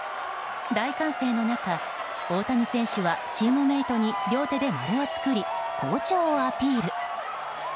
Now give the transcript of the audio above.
大歓声の中大谷選手はチームメートに両手で丸を作り、好調をアピール。